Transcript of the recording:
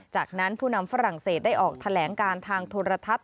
จากนั้นผู้นำฝรั่งเศสได้ออกแถลงการทางโทรทัศน